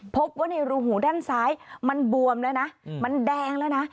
พบว่าในรูหูด้านซ้ายมันบวมแล้วนะมันแดงแล้วนะ